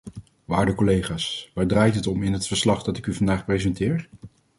Waarde collega's, waar draait het om in het verslag dat ik u vandaag presenteer?